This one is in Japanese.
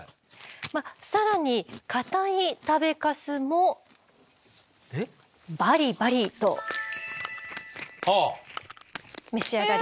更に硬い食べかすもバリバリと召し上がります。